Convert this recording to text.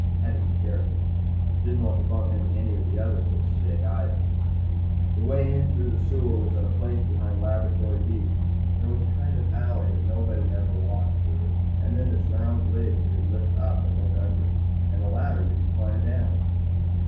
Had to be careful. Didn't want to bump into any of the other kids today, either. The way in through the sewer was at a place behind Laboratory B. There was a kind of an alley there that nobody ever walked through and then this round lid you could lift up and look under. And a ladder you could climb down.